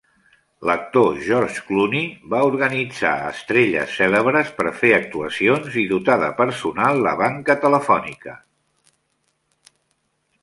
L'actor George Clooney va organitzar a estrelles cèlebres per fer actuacions i dotar de personal la banca telefònica.